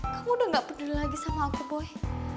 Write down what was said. kamu udah gak peduli lagi sama aku boy